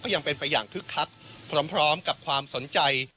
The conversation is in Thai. ยังเป็นไปอย่างคึกคักพร้อมกับความสนใจ